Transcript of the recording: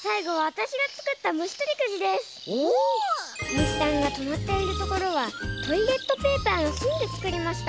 むしさんがとまっているところはトイレットペーパーのしんでつくりました。